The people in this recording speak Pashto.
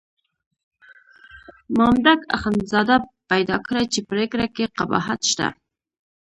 مامدک اخندزاده پیدا کړه چې پرېکړه کې قباحت شته.